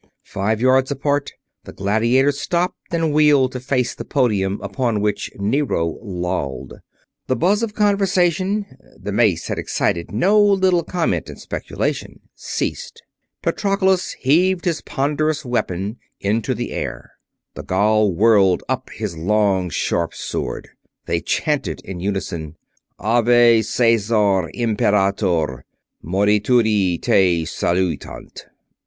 Five yards apart, the gladiators stopped and wheeled to face the podium upon which Nero lolled. The buzz of conversation the mace had excited no little comment and speculation ceased. Patroclus heaved his ponderous weapon into the air; the Gaul whirled up his long, sharp sword. They chanted in unison: "Ave, Caesar Imperator! Morituri te salutant!"